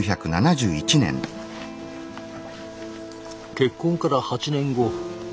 結婚から８年後。